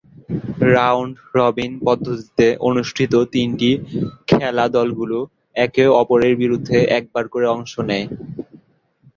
Round robin পদ্ধতিতে অনুষ্ঠিত তিনটি খেলা দলগুলো একে-অপরের বিরুদ্ধে একবার করে অংশ নেয়।